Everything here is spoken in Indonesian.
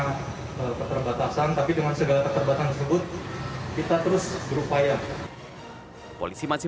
karena keterbatasan tapi dengan segala keterbatasan tersebut kita terus berupaya polisi masih